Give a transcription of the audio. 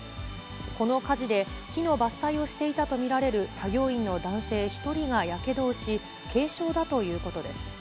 この火事で、木の伐採をしていたと見られる作業員の男性１人がやけどをし、軽傷だということです。